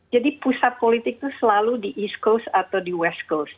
jadi pusat politik itu selalu di east coast atau di west coast